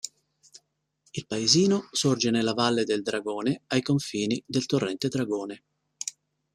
Il paesino sorge nella Valle del Dragone ai confini del torrente Dragone.